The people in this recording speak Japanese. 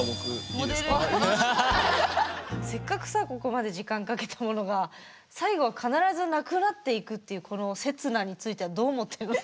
せっかくさここまで時間かけたものが最後は必ずなくなっていくっていうこの刹那についてはどう思ってるの？